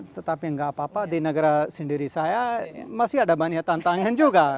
tetapi nggak apa apa di negara sendiri saya masih ada banyak tantangan juga